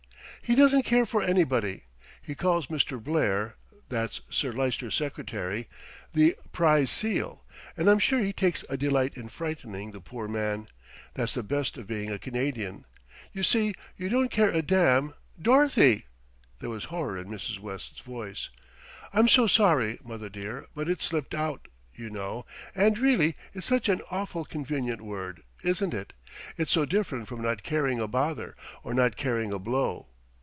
"He doesn't care for anybody. He calls Mr. Blair, that's Sir Lyster's secretary, the prize seal, and I'm sure he takes a delight in frightening the poor man. That's the best of being a Canadian, you see you don't care a damn " "Dorothy!" There was horror in Mrs. West's voice. "I'm so sorry, mother dear; but it slipped out, you know, and really it's such an awfully convenient word, isn't it? It's so different from not caring a bother, or not caring a blow.